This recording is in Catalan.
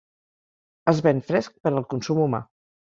Es ven fresc per al consum humà.